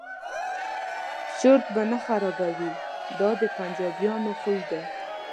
چرت به نه خرابوي دا د پنجابیانو خوی دی.